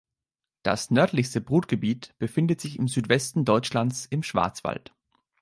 Das nördlichste Brutgebiet befindet sich im Südwesten Deutschlands im Schwarzwald.